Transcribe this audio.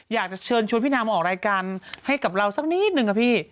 อยากจะเชิญชวนพี่นางมาออกรายการให้กับเราสักนิดนึงค่ะพี่